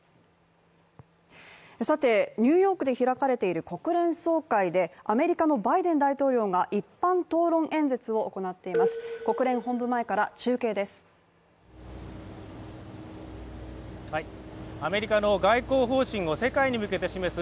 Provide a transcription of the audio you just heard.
ニューヨークで開かれている国連総会でアメリカのバイデン大統領が一般討論演説を行っています。